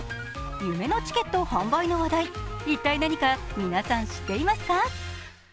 夢のチケット販売の話題、一体何か皆さん知っていますか？